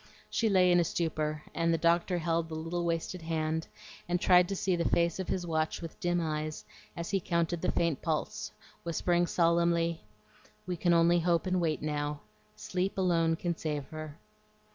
She lay in a stupor, and the doctor held the little wasted hand, and tried to see the face of his watch with dim eyes as he counted the faint pulse, whispering solemnly, "We can only hope and wait now. Sleep alone can save her."